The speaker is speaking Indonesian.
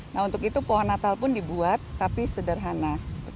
nah untuk itu pohon natal pun dibuat tapi sederhana